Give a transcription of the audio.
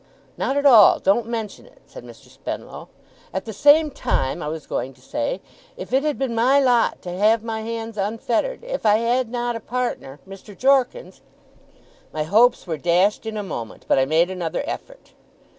'Not at all. Don't mention it,' said Mr. Spenlow. 'At the same time, I was going to say, if it had been my lot to have my hands unfettered if I had not a partner Mr. Jorkins ' My hopes were dashed in a moment, but I made another effort.